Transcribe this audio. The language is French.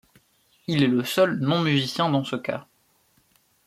Il est le seul non musicien dans ce cas.